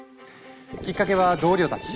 きっかけは同僚たち。